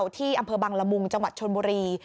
ที่อำเภอบังละมุงจังหวัดชนบุรี